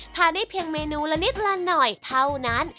ได้เพียงเมนูละนิดละหน่อยเท่านั้น